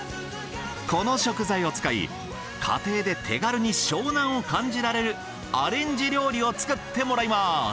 この食材を使い家庭で手軽に湘南を感じられるアレンジ料理を作ってもらいます。